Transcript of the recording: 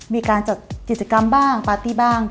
มีการจัดกิจกรรมบ้างปาร์ตี้บ้าง